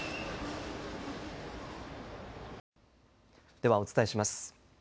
ではお伝えします。